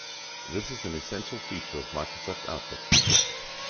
This is an essential feature of Microsoft Outlook.